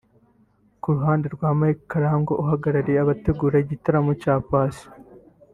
Ku ruhande rwa Mike Karangwa uhagarariye abategura igitaramo cya Paccy